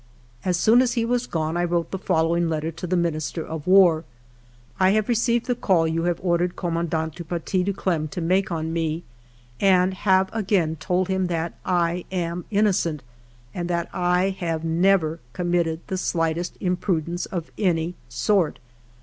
As soon as he was gone, I wrote the following letter to the Minister of War :—" Monsieur le Ministre, —" I l.ave received the call you have ordered Commandant du Paty de Clam to make on me, and have again told him that I am innocent, and that I have never committed the sHghtest im prudence of any sort.